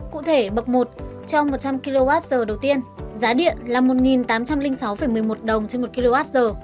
cụ thể bậc một trong một trăm linh kwh đầu tiên giá điện là một tám trăm linh sáu một mươi một đồng trên một kwh